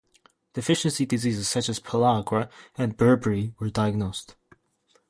Deficiency diseases such as pellagra and beriberi were diagnosed.